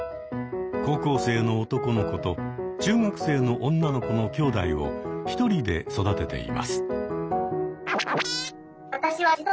高校生の男の子と中学生の女の子のきょうだいを１人で育てています。